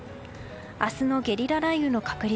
明日のゲリラ雷雨の確率。